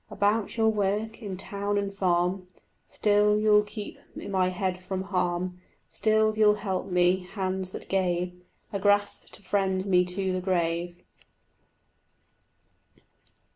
About your work in town and farm Still you'll keep my head from harm, Still you'll help me, hands that gave A grasp to friend me to the grave.